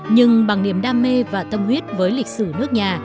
nhưng bằng niềm đam mê và tâm huyết với lịch sử nước nhà